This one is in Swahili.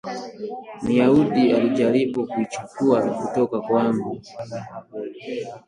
Myahudi alijaribu kuichukuwa kutoka kwangu